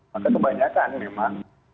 maka kebanyakan memang